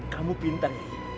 kamu pintar yai